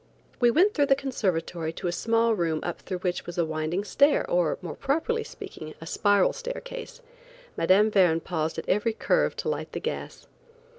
We went through the conservatory to a small room up through which was a winding stair, or, more properly speaking, a spiral stair case. Mme. Verne paused at every curve to light the gas.